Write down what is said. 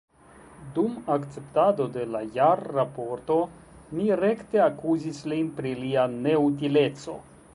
Dum akceptado de la jarraporto mi rekte akuzis lin pri lia neutileco.